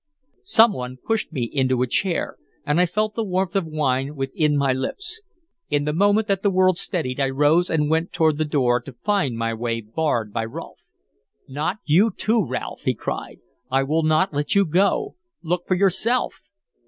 Some one pushed me into a chair, and I felt the warmth of wine within my lips. In the moment that the world steadied I rose and went toward the door to find my way barred by Rolfe. "Not you, too, Ralph!" he cried. "I will not let you go. Look for yourself!"